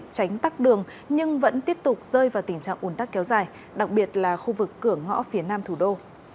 tránh tắt đường nhưng vẫn tiếp tục rơi vào tình trạng ủn tắc kéo dài đặc biệt là khu vực cửa ngõ phía nam thủ đô